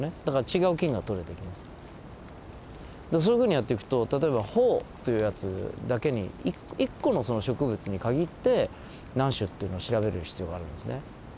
だからそういうふうにやってくと例えばホオというやつだけに１個のその植物に限って何種というのを調べる必要があるんですね。